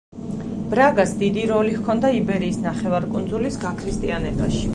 ბრაგას დიდი როლი ჰქონდა იბერიის ნახევარკუნძულის გაქრისტიანებაში.